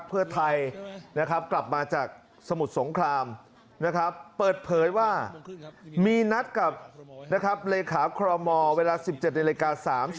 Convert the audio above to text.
ภักดิ์เพื่อไทยกลับมาจากสมุดสงครามเปิดเผยว่ามีนัดกับเลขาครมอเวลา๑๗น๓๐น